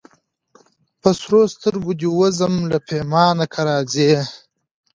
په سرو سترګو دي وزم له پیمانه که راځې